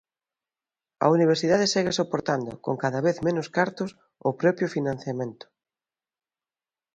A universidade segue soportando, con cada vez menos cartos, o propio financiamento.